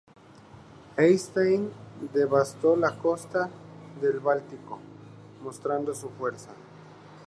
Eysteinn devastó la costa del Báltico mostrando su fuerza.